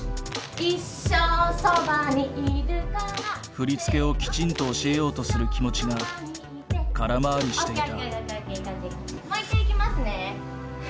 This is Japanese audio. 振り付けをきちんと教えようとする気持ちが空回りしていた。